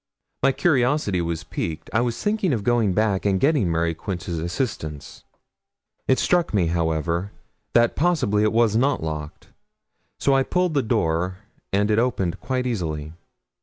My curiosity was piqued. I was thinking of going back and getting Mary Quince's assistance. It struck me, however, that possibly it was not locked, so I pulled the door and it opened quite easily.